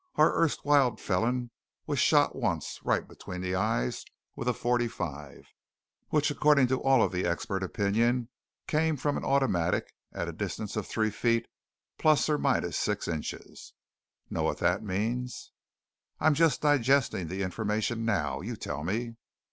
Our erstwhile felon was shot once, right between the eyes, with a forty five, which according to all of the expert opinion, came from an automatic at a distance of three feet, plus or minus six inches. Know what that means?" "I'm just digesting the information now. You tell me."